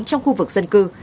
trong khu vực dân cư